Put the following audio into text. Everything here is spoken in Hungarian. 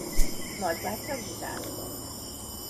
Nagybátyja gitározott.